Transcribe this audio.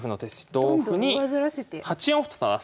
同歩に８四歩と垂らす。